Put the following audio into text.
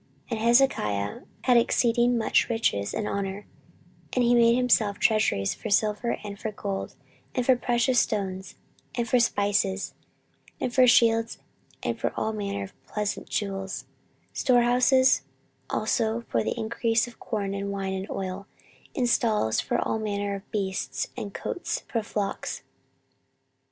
14:032:027 And Hezekiah had exceeding much riches and honour: and he made himself treasuries for silver, and for gold, and for precious stones, and for spices, and for shields, and for all manner of pleasant jewels; 14:032:028 Storehouses also for the increase of corn, and wine, and oil; and stalls for all manner of beasts, and cotes for flocks.